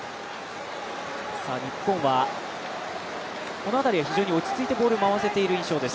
日本はこの辺りは非常に落ち着いてボールを回せている印象です。